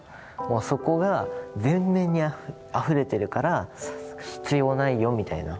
そこが全面にあふれてるから必要ないよみたいな。